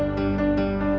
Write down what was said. ate bisa menikah